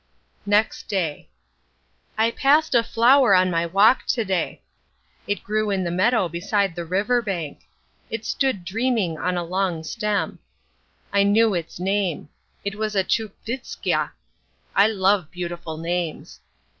Next Day. I passed a flower in my walk to day. It grew in the meadow beside the river bank. It stood dreaming on a long stem. I knew its name. It was a Tchupvskja. I love beautiful names.